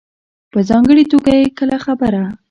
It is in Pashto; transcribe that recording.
په ځانګړې توګه چې کله خبره